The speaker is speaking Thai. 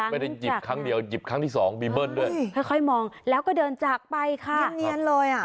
ไม่ได้หยิบครั้งเดียวหยิบครั้งที่สองมีเบิ้ลด้วยค่อยมองแล้วก็เดินจากไปค่ะเนียนเลยอ่ะ